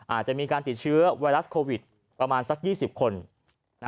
อาจจะมีการติดเชื้อไวรัสโควิดประมาณสัก๒๐คน